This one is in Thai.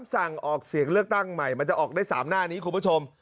สั่งออกเสียงเลือกตั้งใหม่มันจะออกได้๓หน้านี้คุณผู้ชม